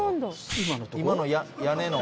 今の今の屋根の。